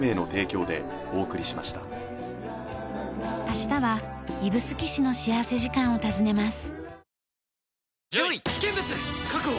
明日は指宿市の幸福時間を訪ねます。